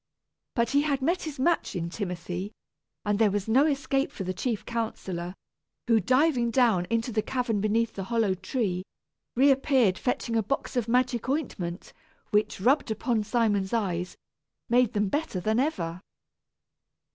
But he had met his match in Timothy, and there was no escape for the chief counsellor, who, diving down into the cavern beneath the hollow tree, reappeared fetching a box of magic ointment, which, rubbed upon Simon's eyes, made them better than ever.